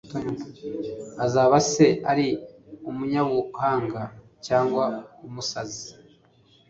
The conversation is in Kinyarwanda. azaba se ari umunyabuhanga cyangwa umusazi